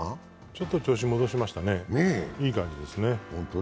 ちょっと調子戻しましたね、いい感じですね。